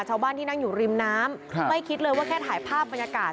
ชาวบ้านที่นั่งอยู่ริมน้ำไม่คิดเลยว่าแค่ถ่ายภาพบรรยากาศ